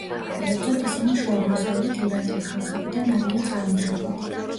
კერძოდ, ისინი შუა აღმოსავლეთ ირანელი ხალხებიდან არიან წარმოშობით.